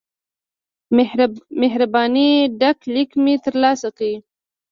مهربانی ډک لیک مې ترلاسه کړ.